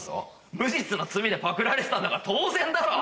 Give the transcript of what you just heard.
無実の罪でパクられてたんだから当然だろう。